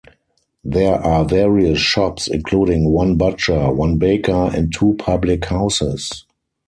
There are various shops including one butcher, one baker and two Public Houses.